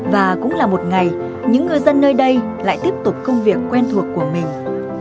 và cũng là một ngày những ngư dân nơi đây lại tiếp tục công việc quen thuộc của mình